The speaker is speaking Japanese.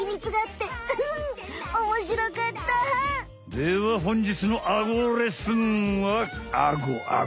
ではほんじつのアゴレッスンはアゴアゴ。